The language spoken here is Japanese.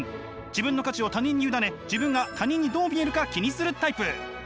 自分の価値を他人に委ね自分が他人にどう見えるか気にするタイプ。